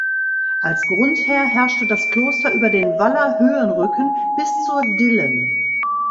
Als Grundherr herrschte das Kloster über den Waller Höhenrücken bis zur „Dillen“.